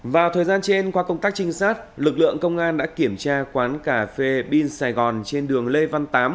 vào thời gian trên qua công tác trinh sát lực lượng công an đã kiểm tra quán cà phê bin sài gòn trên đường lê văn tám